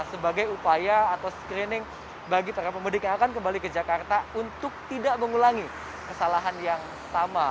sebagai upaya atau screening bagi para pemudik yang akan kembali ke jakarta untuk tidak mengulangi kesalahan yang sama